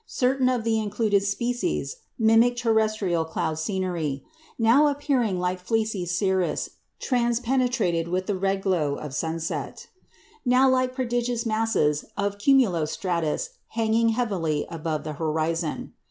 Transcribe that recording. Certain of the included species mimic terrestrial cloud scenery now appearing like fleecy cirrus transpenetrated with the red glow of sunset now like prodigious masses of cumulo stratus hanging heavily above the horizon.